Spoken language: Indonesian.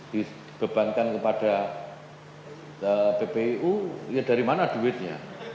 dibebankan kepada ppu ya dari mana duitnya